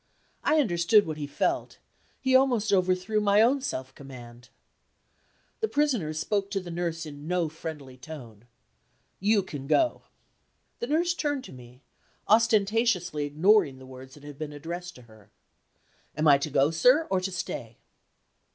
I understood what he felt; he almost overthrew my own self command. The Prisoner spoke to the nurse in no friendly tone: "You can go." The nurse turned to me, ostentatiously ignoring the words that had been addressed to her. "Am I to go, sir, or to stay?"